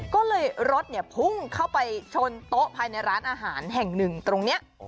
ก็เลยรถพุ่งเข้าไปชนโต๊ะภายในร้านอาหารแห่งหนึ่งตรงนี้